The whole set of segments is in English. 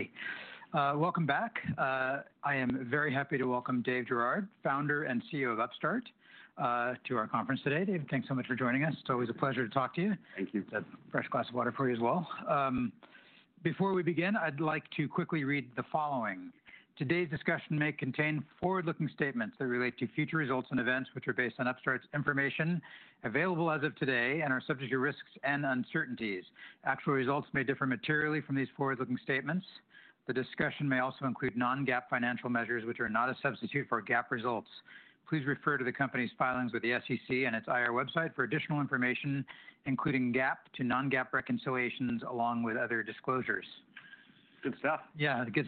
All right. All righty. Welcome back. I am very happy to welcome Dave Girouard, founder and CEO of Upstart, to our conference today. Dave, thanks so much for joining us. It's always a pleasure to talk to you. Thank you. That's a fresh glass of water for you as well. Before we begin, I'd like to quickly read the following. Today's discussion may contain forward-looking statements that relate to future results and events, which are based on Upstart's information available as of today and are subject to risks and uncertainties. Actual results may differ materially from these forward-looking statements. The discussion may also include non-GAAP financial measures, which are not a substitute for GAAP results. Please refer to the company's filings with the SEC and its IR website for additional information, including GAAP to non-GAAP reconciliations, along with other disclosures. Good stuff. Yeah, good.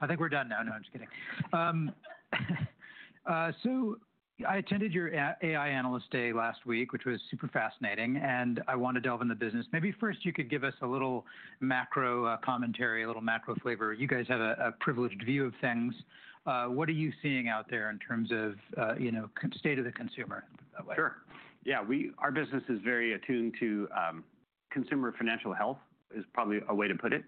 I think we're done now. No, I'm just kidding. I attended your AI Analyst Day last week, which was super fascinating, and I want to delve into business. Maybe first you could give us a little macro commentary, a little macro flavor. You guys have a privileged view of things. What are you seeing out there in terms of, you know, state of the consumer? Sure. Yeah, our business is very attuned to, consumer financial health is probably a way to put it.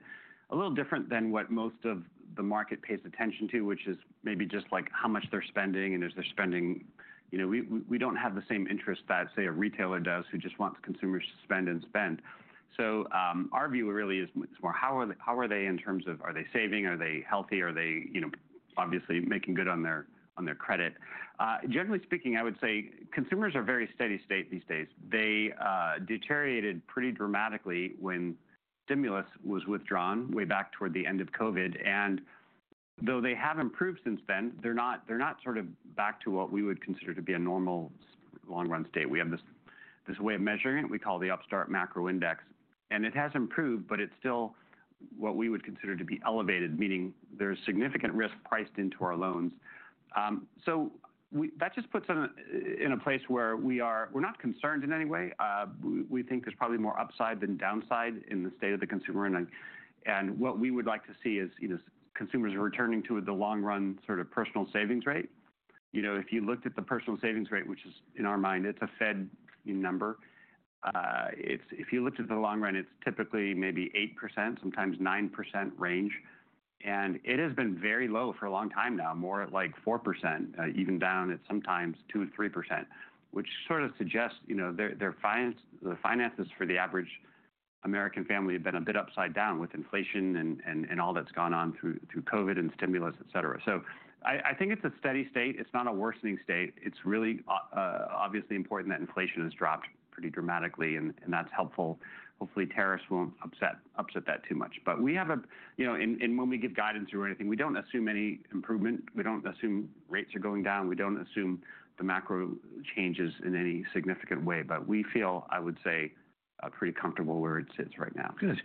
A little different than what most of the market pays attention to, which is maybe just like how much they're spending and if they're spending, you know, we don't have the same interest that, say, a retailer does who just wants consumers to spend and spend. Our view really is, is more how are they, how are they in terms of, are they saving, are they healthy, are they, you know, obviously making good on their, on their credit? Generally speaking, I would say consumers are very steady state these days. They deteriorated pretty dramatically when stimulus was withdrawn way back toward the end of COVID. Though they have improved since then, they're not, they're not sort of back to what we would consider to be a normal long-run state. We have this way of measuring it. We call the Upstart Macro Index, and it has improved, but it's still what we would consider to be elevated, meaning there's significant risk priced into our loans. That just puts us in a place where we are, we're not concerned in any way. We think there's probably more upside than downside in the state of the consumer. What we would like to see is, you know, consumers are returning to the long-run sort of personal savings rate. You know, if you looked at the personal savings rate, which is in our mind, it's a Fed number, if you looked at the long run, it's typically maybe 8%, sometimes 9% range. It has been very low for a long time now, more like 4%, even down at sometimes 2%-3%, which sort of suggests, you know, the finances for the average American family have been a bit upside down with inflation and all that's gone on through COVID and stimulus, et cetera. I think it's a steady state. It's not a worsening state. It's really, obviously important that inflation has dropped pretty dramatically. That's helpful. Hopefully tariffs won't upset that too much. We have a, you know, and when we give guidance or anything, we don't assume any improvement. We don't assume rates are going down. We don't assume the macro changes in any significant way. We feel, I would say, pretty comfortable where it sits right now. Good.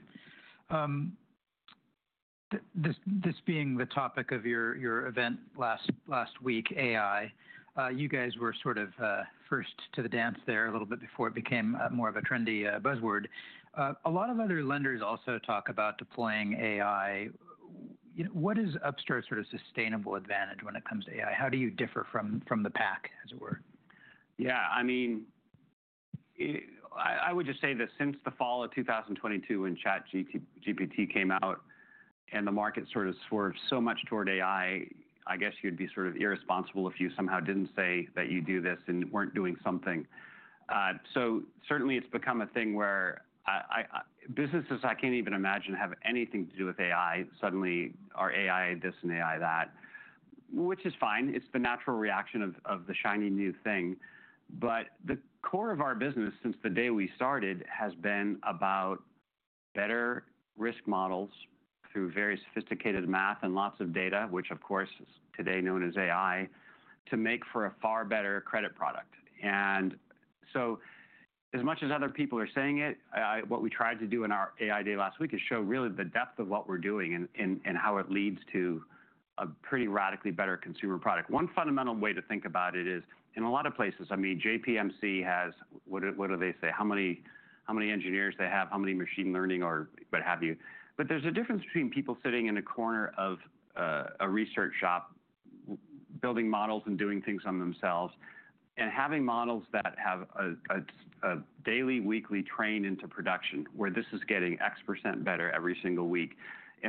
This, this being the topic of your, your event last, last week, AI, you guys were sort of first to the dance there a little bit before it became more of a trendy, buzzword. A lot of other lenders also talk about deploying AI. You know, what is Upstart's sort of sustainable advantage when it comes to AI? How do you differ from, from the pack, as it were? Yeah, I mean, I would just say that since the fall of 2022 when ChatGPT came out and the market sort of swerved so much toward AI, I guess you'd be sort of irresponsible if you somehow didn't say that you do this and weren't doing something. Certainly it's become a thing where businesses I can't even imagine have anything to do with AI suddenly are AI this and AI that, which is fine. It's the natural reaction of the shiny new thing. The core of our business since the day we started has been about better risk models through very sophisticated math and lots of data, which of course is today known as AI, to make for a far better credit product. As much as other people are saying it, what we tried to do in our AI day last week is show really the depth of what we're doing and how it leads to a pretty radically better consumer product. One fundamental way to think about it is in a lot of places, I mean, J.P. Morgan Chase has, what do they say? How many engineers they have, how many machine learning or what have you. There's a difference between people sitting in a corner of a research shop building models and doing things on themselves and having models that have a daily, weekly train into production where this is getting X% better every single week.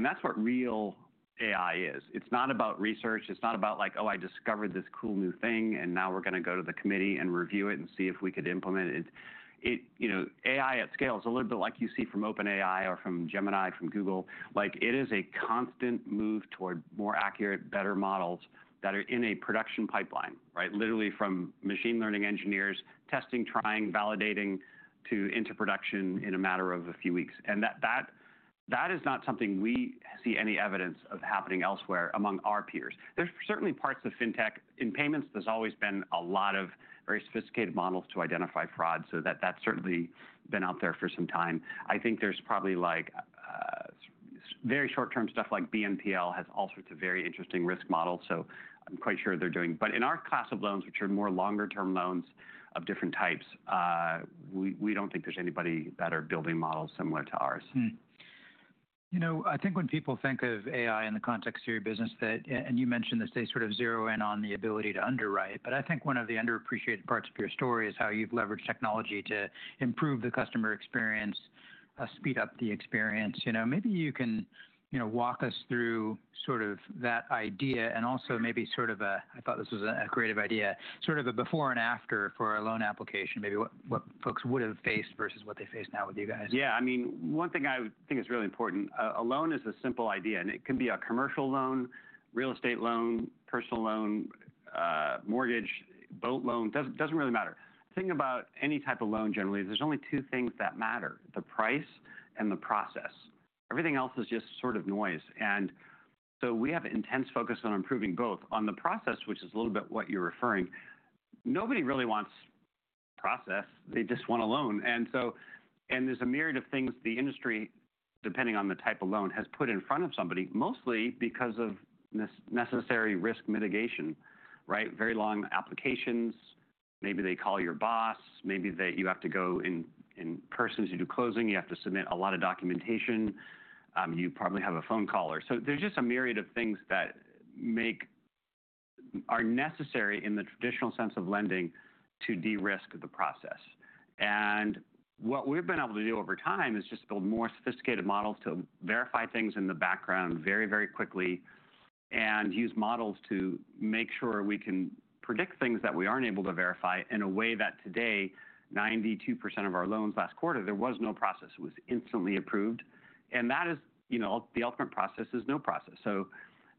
That's what real AI is. It's not about research. It's not about like, oh, I discovered this cool new thing and now we're going to go to the committee and review it and see if we could implement it. You know, AI at scale is a little bit like you see from OpenAI or from Gemini, from Google. It is a constant move toward more accurate, better models that are in a production pipeline, right? Literally from machine learning engineers, testing, trying, validating to into production in a matter of a few weeks. That is not something we see any evidence of happening elsewhere among our peers. There's certainly parts of FinTech in payments. There's always been a lot of very sophisticated models to identify fraud. That's certainly been out there for some time. I think there's probably like, very short-term stuff like BNPL has all sorts of very interesting risk models. I'm quite sure they're doing, but in our class of loans, which are more longer-term loans of different types, we don't think there's anybody that are building models similar to ours. You know, I think when people think of AI in the context of your business that, and you mentioned this, they sort of zero in on the ability to underwrite. I think one of the underappreciated parts of your story is how you've leveraged technology to improve the customer experience, speed up the experience. You know, maybe you can, you know, walk us through sort of that idea and also maybe sort of a, I thought this was a creative idea, sort of a before and after for a loan application, maybe what folks would've faced versus what they face now with you guys. Yeah. I mean, one thing I think is really important, a loan is a simple idea and it can be a commercial loan, real estate loan, personal loan, mortgage, boat loan, doesn't, doesn't really matter. The thing about any type of loan generally, there's only two things that matter, the price and the process. Everything else is just sort of noise. We have intense focus on improving both on the process, which is a little bit what you're referring. Nobody really wants process. They just want a loan. There's a myriad of things the industry, depending on the type of loan, has put in front of somebody, mostly because of this necessary risk mitigation, right? Very long applications. Maybe they call your boss. Maybe you have to go in, in person to do closing. You have to submit a lot of documentation. You probably have a phone caller. There is just a myriad of things that are necessary in the traditional sense of lending to de-risk the process. What we have been able to do over time is just build more sophisticated models to verify things in the background very, very quickly and use models to make sure we can predict things that we are not able to verify in a way that today, 92% of our loans last quarter, there was no process. It was instantly approved. That is, you know, the ultimate process is no process.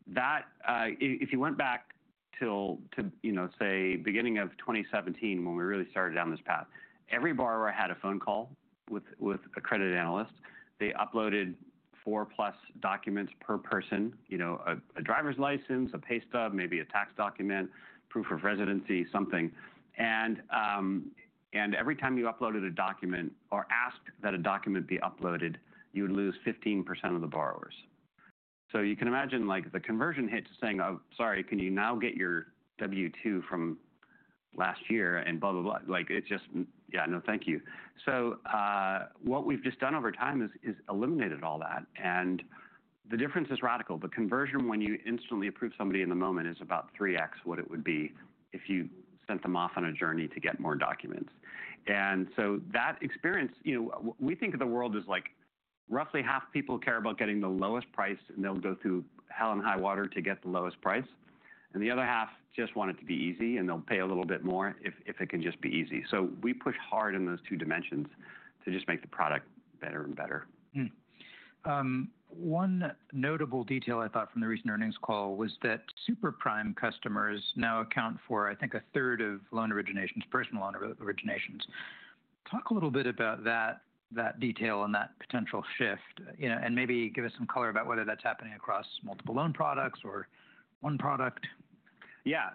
If you went back to, you know, say beginning of 2017, when we really started down this path, every borrower had a phone call with a credit analyst. They uploaded four plus documents per person, you know, a driver's license, a pay stub, maybe a tax document, proof of residency, something. Every time you uploaded a document or asked that a document be uploaded, you would lose 15% of the borrowers. You can imagine like the conversion hit to saying, oh, sorry, can you now get your W-2 from last year and blah, blah, blah? Like it's just, yeah, no, thank you. What we've just done over time is eliminated all that. The difference is radical. The conversion, when you instantly approve somebody in the moment, is about 3x what it would be if you sent them off on a journey to get more documents. That experience, you know, we think of the world as like roughly half people care about getting the lowest price and they'll go through hell and high water to get the lowest price. The other half just want it to be easy and they'll pay a little bit more if it can just be easy. We push hard in those two dimensions to just make the product better and better. One notable detail I thought from the recent earnings call was that super prime customers now account for, I think, a third of loan originations, personal loan originations. Talk a little bit about that, that detail and that potential shift, you know, and maybe give us some color about whether that's happening across multiple loan products or one product? Yeah.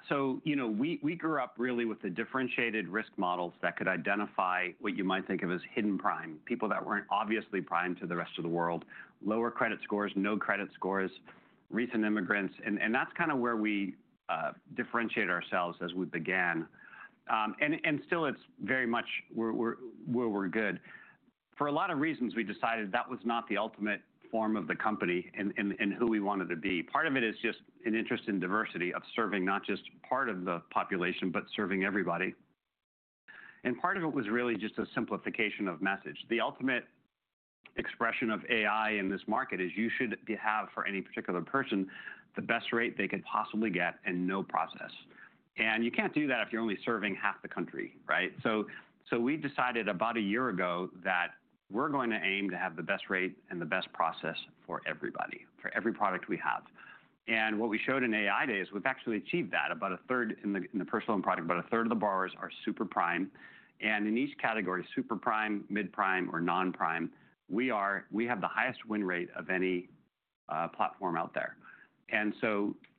You know, we grew up really with the differentiated risk models that could identify what you might think of as hidden prime, people that were not obviously prime to the rest of the world, lower credit scores, no credit scores, recent immigrants. That is kind of where we differentiate ourselves as we began, and still it is very much, we are good for a lot of reasons, we decided that was not the ultimate form of the company and who we wanted to be. Part of it is just an interest in diversity of serving not just part of the population, but serving everybody. Part of it was really just a simplification of message. The ultimate expression of AI in this market is you should have for any particular person the best rate they could possibly get and no process. You can't do that if you're only serving half the country, right? We decided about a year ago that we're going to aim to have the best rate and the best process for everybody, for every product we have. What we showed in AI day is we've actually achieved that. About a third in the personal product, about a third of the borrowers are super prime. In each category, super prime, mid prime, or non prime, we have the highest win rate of any platform out there.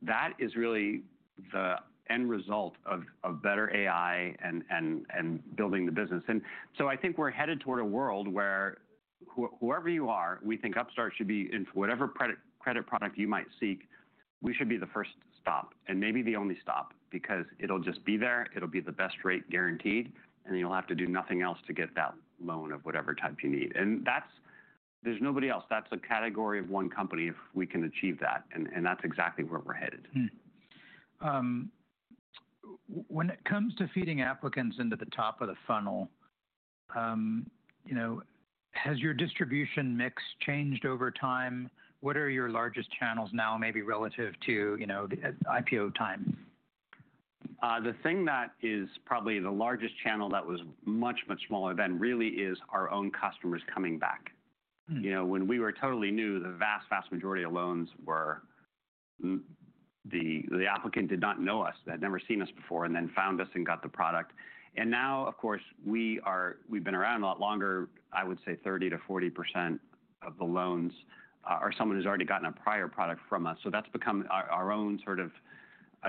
That is really the end result of better AI and building the business. I think we're headed toward a world where, whoever you are, we think Upstart should be in whatever credit product you might seek. We should be the first stop and maybe the only stop because it'll just be there. It'll be the best rate guaranteed, and then you'll have to do nothing else to get that loan of whatever type you need. There's nobody else. That's a category of one company if we can achieve that. That's exactly where we're headed. When it comes to feeding applicants into the top of the funnel, you know, has your distribution mix changed over time? What are your largest channels now, maybe relative to, you know, the IPO time? The thing that is probably the largest channel that was much, much smaller then really is our own customers coming back. You know, when we were totally new, the vast, vast majority of loans were the, the applicant did not know us, had never seen us before, and then found us and got the product. Now, of course, we are, we've been around a lot longer. I would say 30%-40% of the loans are someone who's already gotten a prior product from us. That has become our own sort of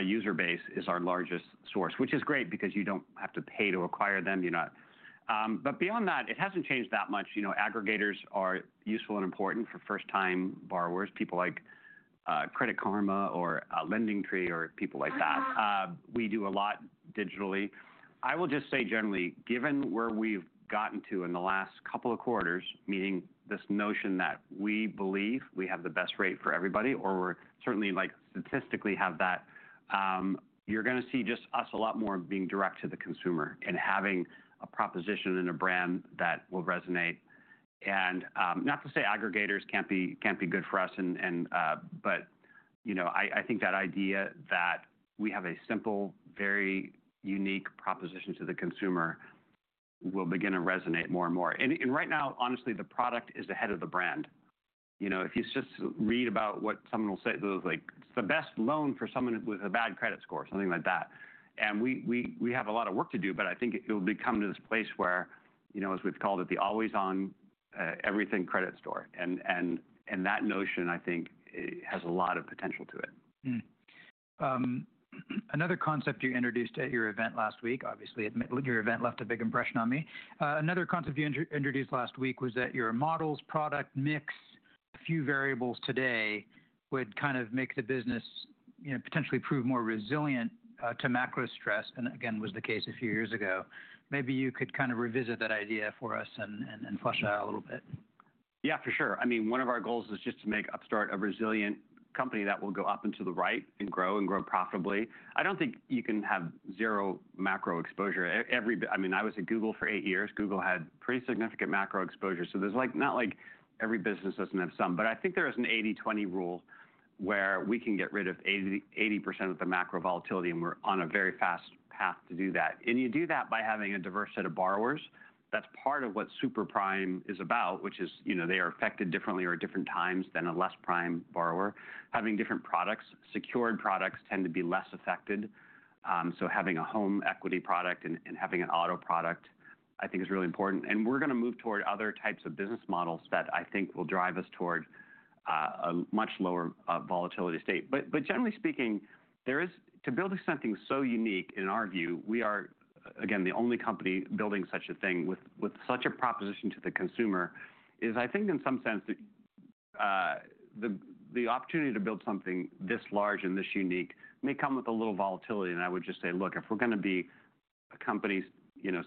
user base, is our largest source, which is great because you don't have to pay to acquire them. You're not, but beyond that, it hasn't changed that much. You know, aggregators are useful and important for first-time borrowers, people like Credit Karma or LendingTree or people like that. We do a lot digitally. I will just say generally, given where we've gotten to in the last couple of quarters, meaning this notion that we believe we have the best rate for everybody, or we certainly like statistically have that, you're going to see just us a lot more being direct to the consumer and having a proposition and a brand that will resonate. Not to say aggregators can't be, can't be good for us. You know, I think that idea that we have a simple, very unique proposition to the consumer will begin to resonate more and more. Right now, honestly, the product is ahead of the brand. You know, if you just read about what someone will say, it was like, it's the best loan for someone with a bad credit score, something like that. We have a lot of work to do, but I think it'll become to this place where, you know, as we've called it, the always on, everything credit store. That notion, I think it has a lot of potential to it. Another concept you introduced at your event last week, obviously at your event, left a big impression on me. Another concept you introduced last week was that your models, product mix, a few variables today would kind of make the business, you know, potentially prove more resilient to macro stress. That, again, was the case a few years ago. Maybe you could kind of revisit that idea for us and flesh out a little bit? Yeah, for sure. I mean, one of our goals is just to make Upstart a resilient company that will go up and to the right and grow and grow profitably. I don't think you can have zero macro exposure. Every, I mean, I was at Google for eight years. Google had pretty significant macro exposure. There's like, not like every business doesn't have some, but I think there is an 80/20 rule where we can get rid of 80% of the macro volatility and we're on a very fast path to do that. You do that by having a diverse set of borrowers. That's part of what super prime is about, which is, you know, they are affected differently or at different times than a less prime borrower. Having different products, secured products tend to be less affected. Having a home equity product and having an auto product I think is really important. We are going to move toward other types of business models that I think will drive us toward a much lower volatility state. Generally speaking, to build something so unique in our view, we are again the only company building such a thing with such a proposition to the consumer, is I think in some sense, the opportunity to build something this large and this unique may come with a little volatility. I would just say, look, if we're going to be a company, you know,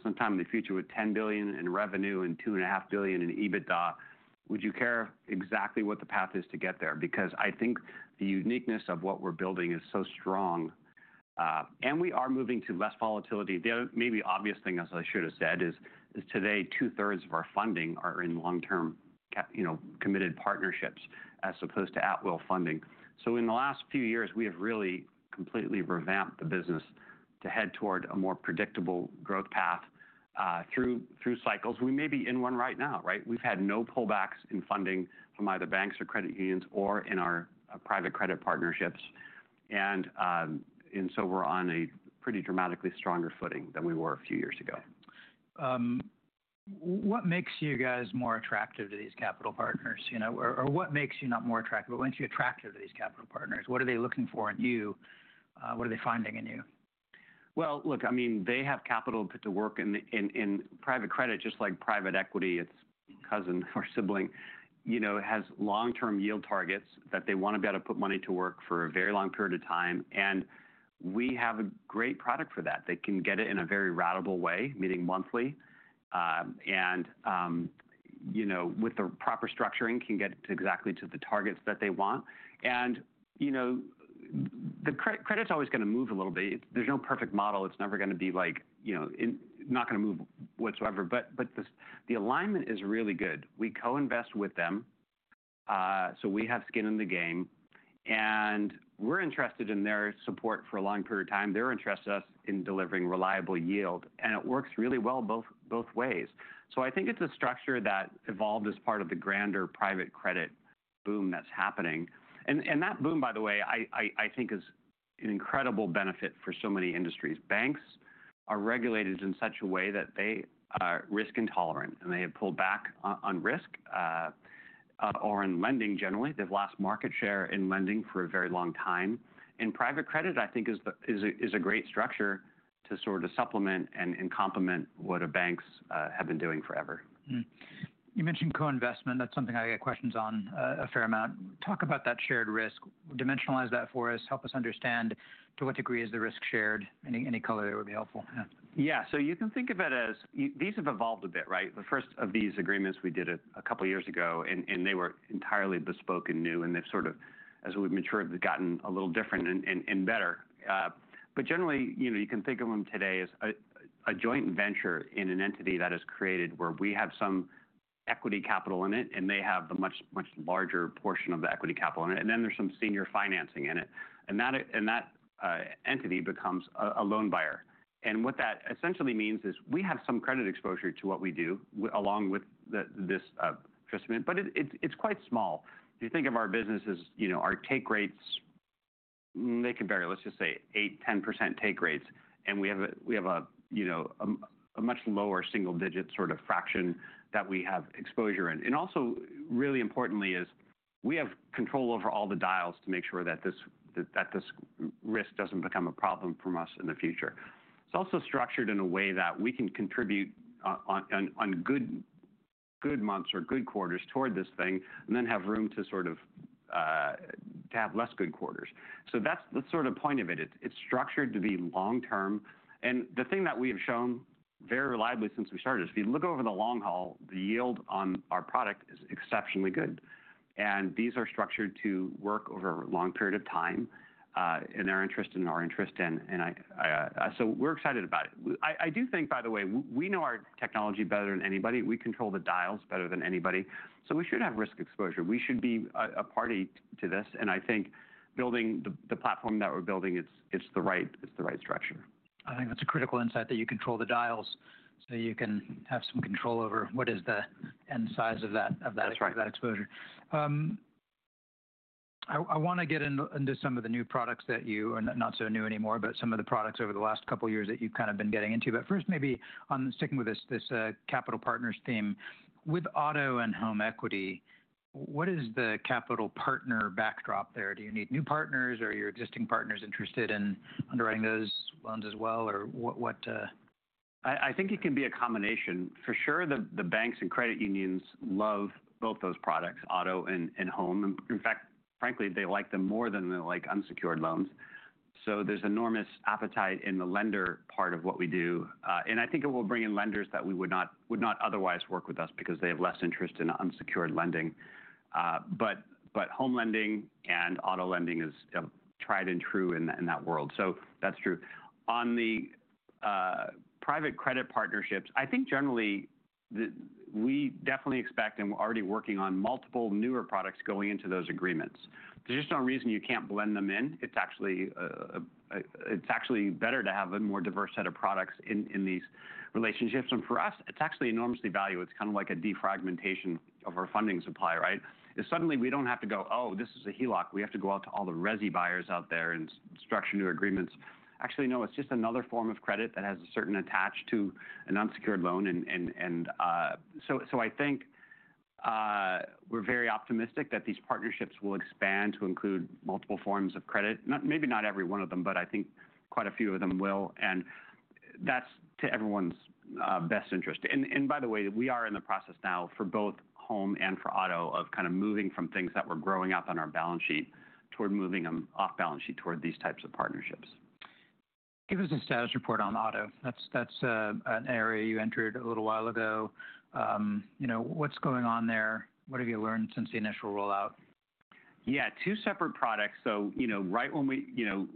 sometime in the future with $10 billion in revenue and $2.5 billion in EBITDA, would you care exactly what the path is to get there? I think the uniqueness of what we're building is so strong. We are moving to less volatility. The other maybe obvious thing I should have said is, today two-thirds of our funding are in long-term, you know, committed partnerships as opposed to at-will funding. In the last few years, we have really completely revamped the business to head toward a more predictable growth path, through cycles. We may be in one right now, right? We've had no pullbacks in funding from either banks or credit unions or in our private credit partnerships. We are on a pretty dramatically stronger footing than we were a few years ago. What makes you guys more attractive to these capital partners, you know, or what makes you not more attractive? What makes you attractive to these capital partners? What are they looking for in you? What are they finding in you? I mean, they have capital to put to work in private credit, just like private equity, its cousin or sibling, you know, has long-term yield targets that they want to be able to put money to work for a very long period of time. We have a great product for that. They can get it in a very ratable way, meaning monthly, and, you know, with the proper structuring, can get exactly to the targets that they want. You know, the credit, credit's always going to move a little bit. There's no perfect model. It's never going to be like, you know, not going to move whatsoever. The alignment is really good. We co-invest with them, so we have skin in the game and we're interested in their support for a long period of time. They're interested in us in delivering reliable yield. It works really well both ways. I think it's a structure that evolved as part of the grander private credit boom that's happening. That boom, by the way, I think is an incredible benefit for so many industries. Banks are regulated in such a way that they are risk intolerant and they have pulled back on risk, or in lending generally. They've lost market share in lending for a very long time. Private credit, I think, is a great structure to sort of supplement and complement what banks have been doing forever. You mentioned co-investment. That's something I get questions on a fair amount. Talk about that shared risk. Dimensionalize that for us. Help us understand to what degree is the risk shared. Any color there would be helpful. Yeah. Yeah. You can think of it as these have evolved a bit, right? The first of these agreements we did a couple of years ago and they were entirely bespoke and new and they've sort of, as we've matured, they've gotten a little different and better. Generally, you can think of them today as a joint venture in an entity that is created where we have some equity capital in it and they have the much, much larger portion of the equity capital in it. Then there's some senior financing in it. That entity becomes a loan buyer. What that essentially means is we have some credit exposure to what we do along with this adjustment, but it's quite small. If you think of our businesses, you know, our take rates, they can vary, let's just say 8%-10% take rates. And we have a, you know, a much lower single-digit sort of fraction that we have exposure in. Also, really importantly is we have control over all the dials to make sure that this risk doesn't become a problem for us in the future. It's also structured in a way that we can contribute on good months or good quarters toward this thing and then have room to have less good quarters. That's the sort of point of it. It's structured to be long-term. The thing that we have shown very reliably since we started is if you look over the long haul, the yield on our product is exceptionally good. These are structured to work over a long period of time, in our interest and our interest in, and I, I, so we're excited about it. I, I do think, by the way, we know our technology better than anybody. We control the dials better than anybody. We should have risk exposure. We should be a party to this. I think building the platform that we're building, it's the right, it's the right structure. I think that's a critical insight that you control the dials so you can have some control over what is the end size of that, of that exposure. I want to get into some of the new products that are not so new anymore, but some of the products over the last couple of years that you've kind of been getting into. First, maybe on sticking with this capital partners theme with auto and home equity, what is the capital partner backdrop there? Do you need new partners or are your existing partners interested in underwriting those loans as well? What, I think it can be a combination for sure. The banks and credit unions love both those products, auto and home. In fact, frankly, they like them more than they like unsecured loans. There is enormous appetite in the lender part of what we do. I think it will bring in lenders that would not otherwise work with us because they have less interest in unsecured lending. Home lending and auto lending is tried and true in that world. That is true. On the private credit partnerships, I think generally we definitely expect and we are already working on multiple newer products going into those agreements. There is just no reason you cannot blend them in. It is actually better to have a more diverse set of products in these relationships. For us, it is actually enormously valuable. It's kind of like a defragmentation of our funding supply, right? Suddenly we don't have to go, oh, this is a HELOC. We have to go out to all the resi buyers out there and structure new agreements. Actually, no, it's just another form of credit that has a certain attach to an unsecured loan. I think we're very optimistic that these partnerships will expand to include multiple forms of credit, maybe not every one of them, but I think quite a few of them will. That's to everyone's best interest. By the way, we are in the process now for both home and for auto of kind of moving from things that we're growing up on our balance sheet toward moving them off balance sheet toward these types of partnerships. Give us a status report on auto. That's an area you entered a little while ago. You know, what's going on there? What have you learned since the initial rollout? Yeah, two separate products. You know, right when we, you know,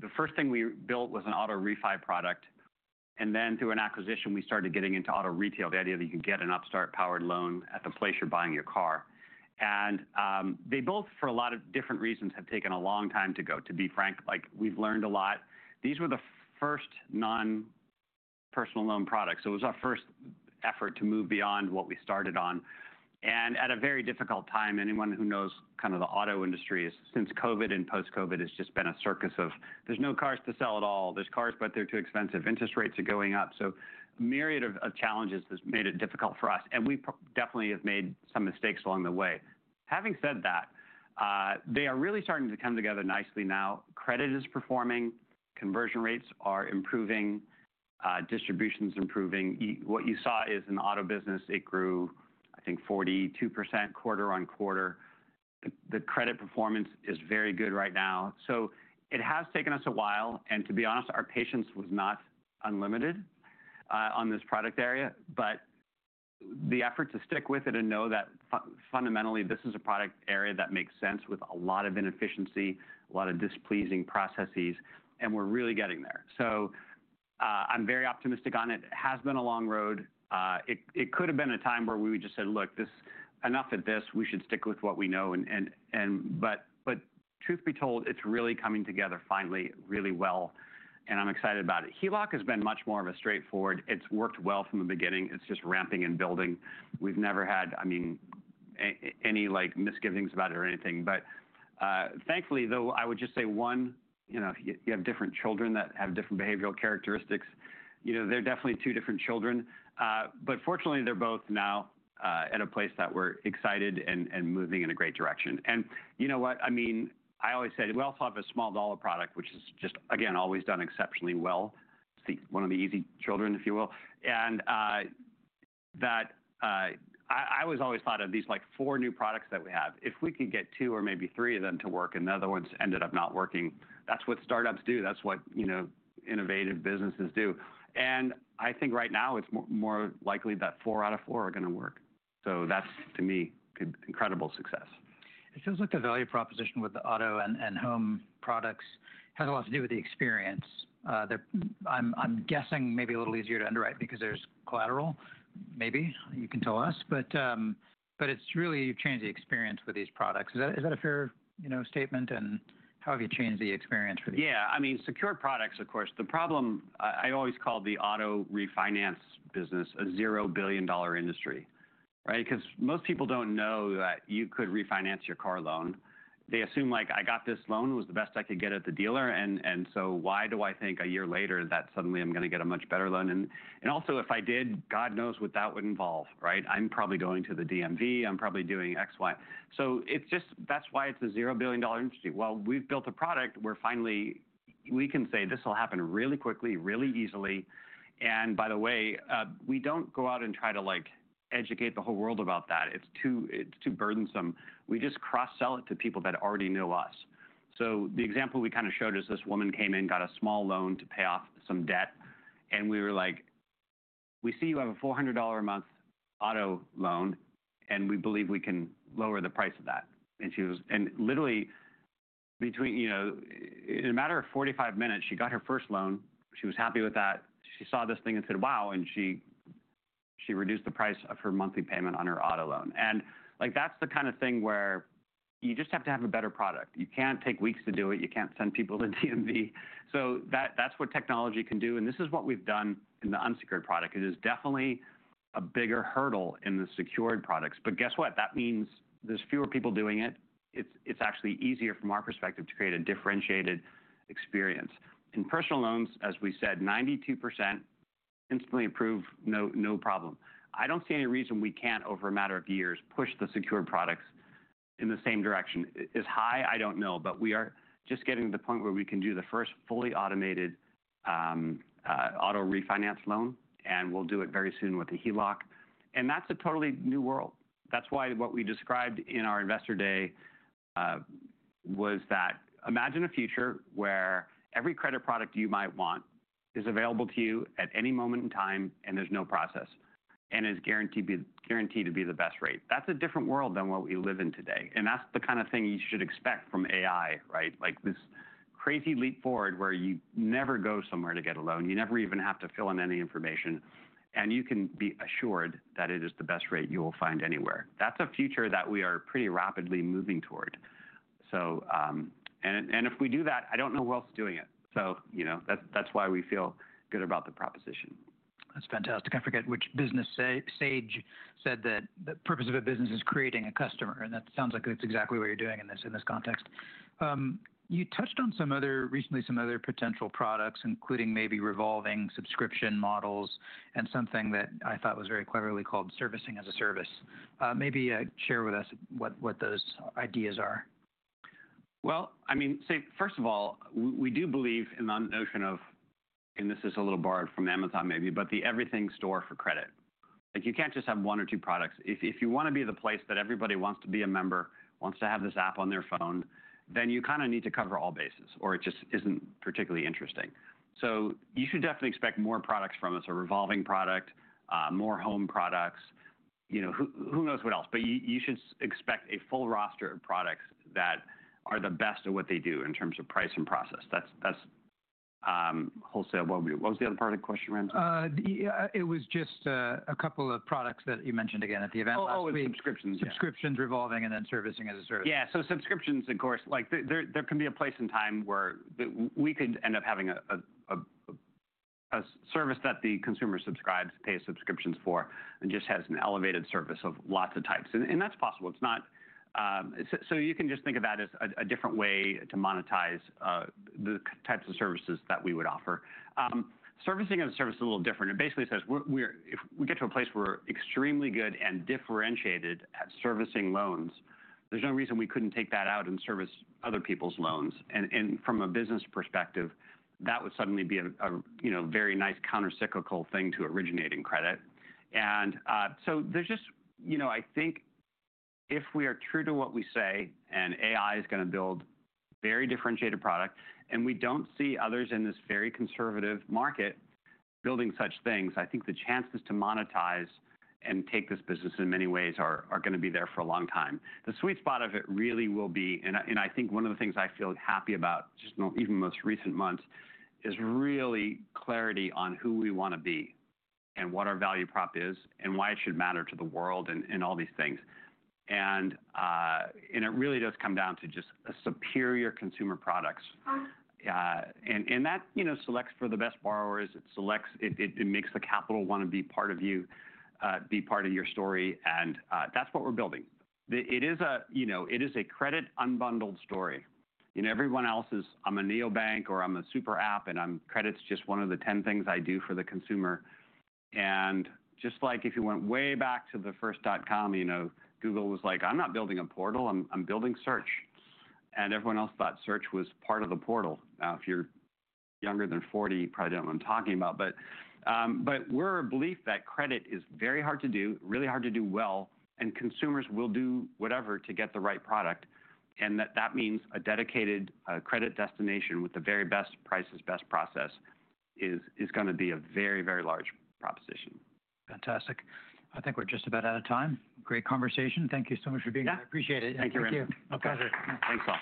the first thing we built was an auto refi product. Then through an acquisition, we started getting into auto retail, the idea that you can get an Upstart-powered loan at the place you're buying your car. They both, for a lot of different reasons, have taken a long time to go, to be frank. We've learned a lot. These were the first non-personal loan products. It was our first effort to move beyond what we started on. At a very difficult time, anyone who knows kind of the auto industry since COVID and post-COVID has just been a circus of there's no cars to sell at all. There's cars, but they're too expensive. Interest rates are going up. A myriad of challenges has made it difficult for us. We definitely have made some mistakes along the way. Having said that, they are really starting to come together nicely now. Credit is performing. Conversion rates are improving. Distribution's improving. What you saw is in the auto business, it grew, I think, 42% quarter-on-quarter. The credit performance is very good right now. It has taken us a while. To be honest, our patience was not unlimited on this product area, but the effort to stick with it and know that fundamentally this is a product area that makes sense with a lot of inefficiency, a lot of displeasing processes, and we're really getting there. I'm very optimistic on it. It has been a long road. It could have been a time where we would just say, look, this is enough at this, we should stick with what we know. Truth be told, it's really coming together finally, really well. I'm excited about it. HELOC has been much more straightforward. It's worked well from the beginning. It's just ramping and building. We've never had, I mean, any misgivings about it or anything. Thankfully though, I would just say one, you know, you have different children that have different behavioral characteristics. You know, they're definitely two different children. Fortunately, they're both now at a place that we're excited and moving in a great direction. You know what? I mean, I always said we also have a small dollar product, which is just, again, always done exceptionally well. It's one of the easy children, if you will. I always thought of these like four new products that we have. If we could get two or maybe three of them to work and the other ones ended up not working, that's what startups do. That's what, you know, innovative businesses do. I think right now it's more likely that four out of four are going to work. That is to me incredible success. It sounds like the value proposition with the auto and home products has a lot to do with the experience. They're, I'm guessing maybe a little easier to underwrite because there's collateral, maybe you can tell us, but it's really changed the experience with these products. Is that a fair, you know, statement? How have you changed the experience for these? Yeah. I mean, secure products, of course. The problem, I always call the auto refinance business a zero billion dollar industry, right? Because most people don't know that you could refinance your car loan. They assume like, I got this loan, it was the best I could get at the dealer. And, and so why do I think a year later that suddenly I'm going to get a much better loan? And also if I did, God knows what that would involve, right? I'm probably going to the DMV. I'm probably doing X, Y. It's just, that's why it's a zero billion dollar industry. We've built a product where finally we can say this will happen really quickly, really easily. And by the way, we don't go out and try to like educate the whole world about that. It's too, it's too burdensome. We just cross-sell it to people that already know us. The example we kind of showed is this woman came in, got a small loan to pay off some debt. We were like, we see you have a $400 a month auto loan and we believe we can lower the price of that. She was, and literally, you know, in a matter of 45 minutes, she got her first loan. She was happy with that. She saw this thing and said, wow. She reduced the price of her monthly payment on her auto loan. That is the kind of thing where you just have to have a better product. You can't take weeks to do it. You can't send people to DMV. That is what technology can do. This is what we've done in the unsecured product. It is definitely a bigger hurdle in the secured products. But guess what? That means there's fewer people doing it. It's actually easier from our perspective to create a differentiated experience. In personal loans, as we said, 92% instantly approve. No, no problem. I don't see any reason we can't over a matter of years push the secured products in the same direction. As high, I don't know, but we are just getting to the point where we can do the first fully automated auto refinance loan. And we'll do it very soon with the HELOC. And that's a totally new world. That's why what we described in our investor day was that imagine a future where every credit product you might want is available to you at any moment in time and there's no process and is guaranteed to be the best rate. That's a different world than what we live in today. That's the kind of thing you should expect from AI, right? Like this crazy leap forward where you never go somewhere to get a loan. You never even have to fill in any information. You can be assured that it is the best rate you will find anywhere. That's a future that we are pretty rapidly moving toward. If we do that, I don't know who else is doing it. You know, that's why we feel good about the proposition. That's fantastic. I forget which business sage said that the purpose of a business is creating a customer. That sounds like it's exactly what you're doing in this, in this context. You touched on some other recently, some other potential products, including maybe revolving subscription models and something that I thought was very cleverly called servicing as a service. Maybe share with us what those ideas are. I mean, first of all, we do believe in the notion of, and this is a little borrowed from Amazon maybe, but the everything store for credit. Like, you can't just have one or two products. If you want to be the place that everybody wants to be a member, wants to have this app on their phone, then you kind of need to cover all bases or it just isn't particularly interesting. You should definitely expect more products from us, a revolving product, more home products, you know, who knows what else, but you should expect a full roster of products that are the best at what they do in terms of price and process. That's wholesale. What was the other part of the question, Ram? It was just, a couple of products that you mentioned again at the event last week. Oh. subscriptions. Subscriptions, revolving, and then servicing as a service. Yeah. Subscriptions, of course, like there can be a place in time where we could end up having a service that the consumer subscribes, pays subscriptions for, and just has an elevated service of lots of types. That's possible. It's not, so you can just think of that as a different way to monetize the types of services that we would offer. Servicing as a service is a little different. It basically says if we get to a place where we're extremely good and differentiated at servicing loans, there's no reason we couldn't take that out and service other people's loans. From a business perspective, that would suddenly be a very nice countercyclical thing to originating credit. There's just, you know, I think if we are true to what we say and AI is going to build very differentiated products and we don't see others in this very conservative market building such things, I think the chances to monetize and take this business in many ways are going to be there for a long time. The sweet spot of it really will be, and I think one of the things I feel happy about just in even most recent months is really clarity on who we want to be and what our value prop is and why it should matter to the world and all these things. It really does come down to just a superior consumer products, and that, you know, selects for the best borrowers. It selects, it makes the capital want to be part of you, be part of your story. That is what we're building. It is a, you know, it is a credit unbundled story. You know, everyone else is, I'm a NeoBank or I'm a super app and credit's just one of the 10 things I do for the consumer. Just like if you went way back to the first dot-com, you know, Google was like, I'm not building a portal. I'm building search. Everyone else thought search was part of the portal. Now, if you're younger than 40, you probably don't know what I'm talking about. We're a belief that credit is very hard to do, really hard to do well. Consumers will do whatever to get the right product. That means a dedicated, credit destination with the very best prices, best process is going to be a very, very large proposition. Fantastic. I think we're just about out of time. Great conversation. Thank you so much for being here. I appreciate it. Thank you. Thank you. My pleasure. Thanks all.